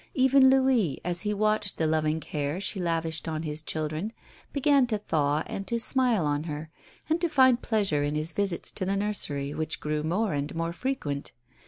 Even Louis, as he watched the loving care she lavished on his children, began to thaw and to smile on her, and to find pleasure in his visits to the nursery, which grew more and more frequent.